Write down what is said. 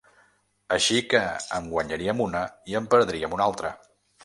Així que en guanyaríem una i en perdríem una altra.